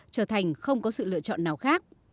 trở thành không có sự lựa chọn nào khác